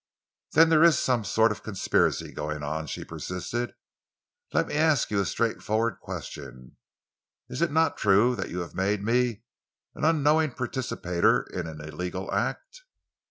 "Then there is some sort of conspiracy going on?" she persisted. "Let me ask you a straightforward question. Is it not true that you have made me an unknowing participator in an illegal act?"